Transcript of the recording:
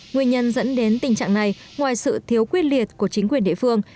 nguyên nhân dẫn đến tình trạng này ngoài sự thiếu quyết liệt của chính quyền địa phương